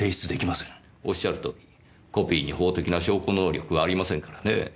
おっしゃるとおりコピーに法的な証拠能力はありませんからねぇ。